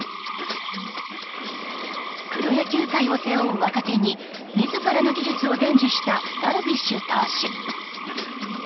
プロ野球界を背負う若手に自らの技術を伝授したダルビッシュ投手。